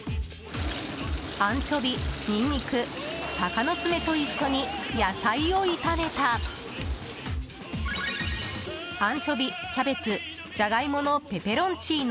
アンチョビ、ニンニク鷹の爪と一緒に野菜を炒めたアンチョビ・キャベツ・じゃがいものペペロンチーノ